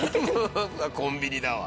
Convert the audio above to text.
コンビニだわ。